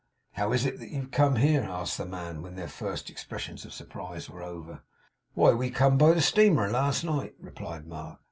'How is it that you have come here?' asked the man, when their first expressions of surprise were over. 'Why, we come by the steamer last night,' replied Mark.